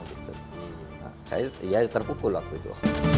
saya ya terpukul waktu itu